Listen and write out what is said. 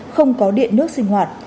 không có điện nước sinh hoạt